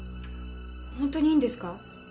ホントにいいんですか？